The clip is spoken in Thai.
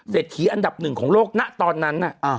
เศรษฐีอันดับหนึ่งของโลกนะตอนนั้น